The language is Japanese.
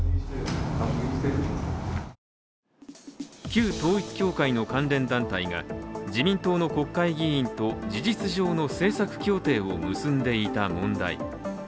旧統一教会の関連団体が自民党の国会議員と事実上の政策協定を結んでいた問題。